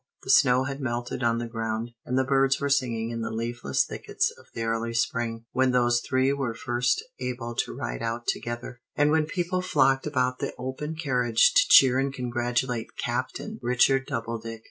The snow had melted on the ground, and the birds were singing in the leafless thickets of the early spring, when those three were first able to ride out together, and when people flocked about the open carriage to cheer and congratulate Captain Richard Doubledick.